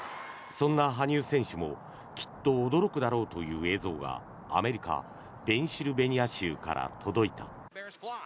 そんな羽生選手もきっと驚くだろうという映像がアメリカ・ペンシルベニア州から届いた。